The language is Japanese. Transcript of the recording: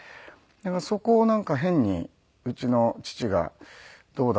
そこをなんか変にうちの父が「どうだ？